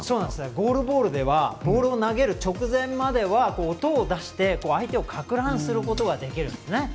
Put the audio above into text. ゴールボールではボールを投げる直前までは音を出して相手をかく乱させることができるんですね。